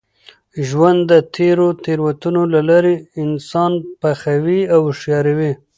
ژوند د تېرو تېروتنو له لاري انسان پخوي او هوښیاروي.